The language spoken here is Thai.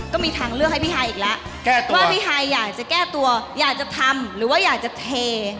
ก็มีทางเลือกให้พี่ฮายอีกแล้วว่าพี่ฮายอยากจะแก้ตัวอยากจะทำหรือว่าอยากจะเท